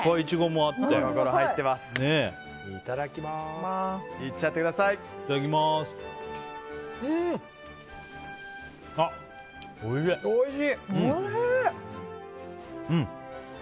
あ、おいしい。